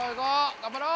頑張ろう！